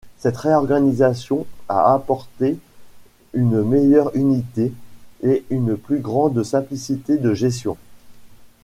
Cette réorganisation a apporté une meilleure unité et une plus grande simplicité de gestion.